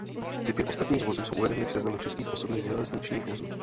Typy ostatních vozů jsou uvedeny v seznamu českých osobních železničních vozů.